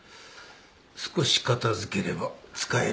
少し片付ければ使える。